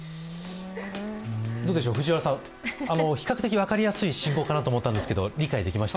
どうでしょう、藤原さん、比較的分かりやすい進行かと思ったんですが理解できました？